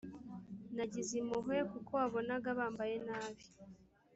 nagize impuhwe kuko wabonaga bambaye nabi